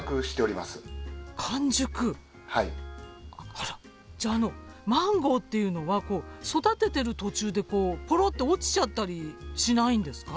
あらじゃあマンゴーっていうのはこう育ててる途中でこうポロッて落ちちゃったりしないんですか？